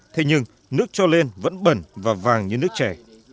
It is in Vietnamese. thế nhưng nước cho lên vẫn bẩn và vàng như nước chảy